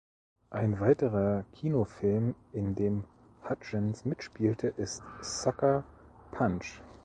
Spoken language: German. Ein weiterer Kinofilm, in dem Hudgens mitspielte, ist "Sucker Punch".